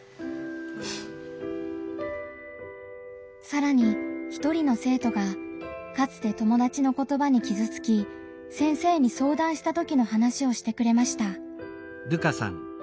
さらに一人の生徒がかつて友達の言葉にきずつき先生に相談したときの話をしてくれました。